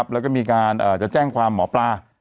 แล้วก็มีการจะแจ้งความหมอปลา